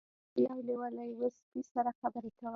یو لیوه له یوه سپي سره خبرې کولې.